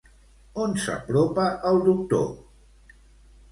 On s'apropa el doctor?